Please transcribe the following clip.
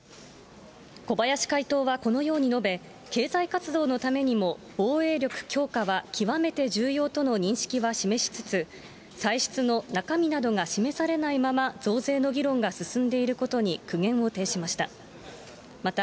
小林会頭はこのように述べ、経済活動のためにも防衛力強化は極めて重要との認識は示しつつ、歳出の中身などが示されないまま、増税の議論が進んでいることに苦言を呈しました。